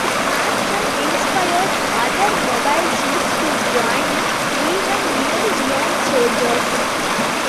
His action inspires other mobile suits to join in, even Neo-Zeon soldiers.